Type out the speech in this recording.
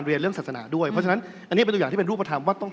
เราเห็นว่าปัจจุบันพอบริการสาธารณะหลายอย่าง